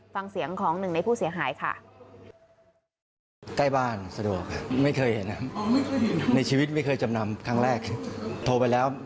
ฟังเสียงของหนึ่งในผู้เสียหายค่ะ